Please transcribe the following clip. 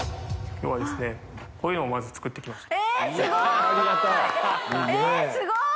きょうはですねこういうのをまず作ってきました森川）えスゴい！